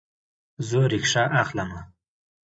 زه ریکشه اخلمه